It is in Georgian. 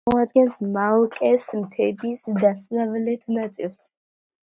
წარმოადგენს მაოკეს მთების დასავლეთ ნაწილს.